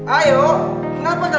ayo kenapa kalian diam